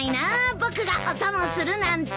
僕がお供するなんて。